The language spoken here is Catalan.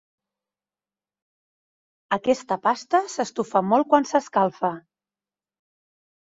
Aquesta pasta s'estufa molt quan s'escalfa.